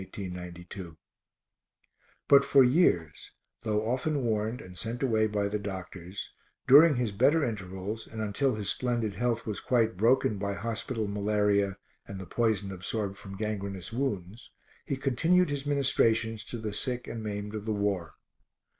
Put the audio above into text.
_ _But for years, though often warned and sent away by the doctors, during his better intervals and until his splendid health was quite broken by hospital malaria and the poison absorbed from gangrenous wounds, he continued his ministrations to the sick and the maimed of the war.